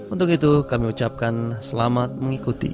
untuk itu kami ucapkan selamat mengikuti